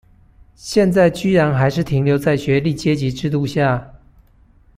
現在居然還是停留在學歷階級制度下？